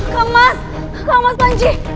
kemas kemas panji